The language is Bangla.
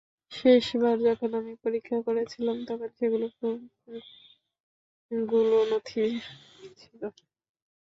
শেষবার যখন আমি পরীক্ষা করেছিলাম তখন সেগুলো খুব গুলো নথি ছিল।